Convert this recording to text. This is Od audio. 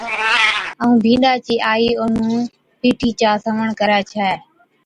ائُون بِينڏا چِي آئِي اونَھُون پِيٺِي چا سنوَڻ ڪرَي ڇَي